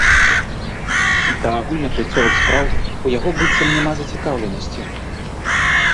Да агульных жыццёвых спраў у яго быццам няма зацікаўленасці.